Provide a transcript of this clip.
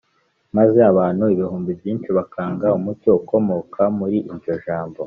maze abantu ibihumbi byinshi bakanga umucyo ukomoka muri iryo jambo